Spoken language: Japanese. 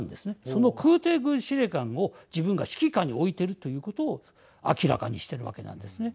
その空てい軍司令官を自分が指揮下に置いていることを明らかにしているわけなんですね。